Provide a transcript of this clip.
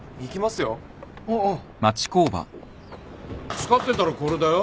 使ってたらこれだよ？